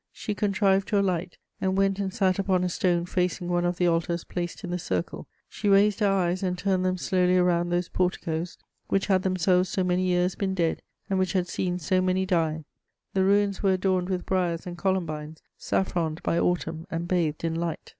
She contrived to alight, and went and sat upon a stone facing one of the altars placed in the circle. She raised her eyes and turned them slowly around those porticoes which had themselves so many years been dead, and which had seen so many die; the ruins were adorned with briers and columbines saffroned by autumn and bathed in light.